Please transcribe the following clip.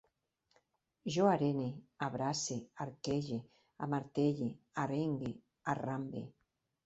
Jo arene, abrace, arquege, amartelle, arengue, arrambe